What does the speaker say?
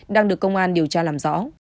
đang được công an điều tra làm rõ